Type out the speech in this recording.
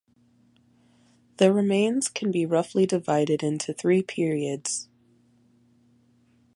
The remains can be roughly divided into three periods.